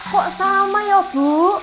kok sama ya bu